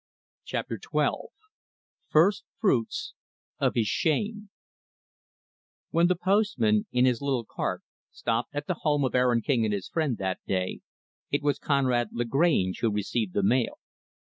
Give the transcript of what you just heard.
Chapter XII First Fruits of His Shame When the postman, in his little cart, stopped at the home of Aaron King and his friend, that day, it was Conrad Lagrange who received the mail.